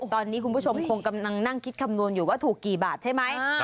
ตอนนี้คุณผู้ชมคงกำลังนั่งคิดคำนวณอยู่ว่าถูกกี่บาทใช่ไหม